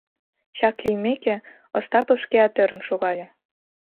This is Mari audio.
Чак лиймеке, Остапов шкеат ӧрын шогале.